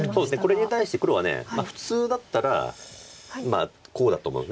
これに対して黒は普通だったらまあこうだと思うんです。